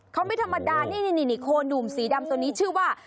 เขาไม่ธรรมดานี่โคนหนุ่มสีดำตัวนี้ชื่อว่า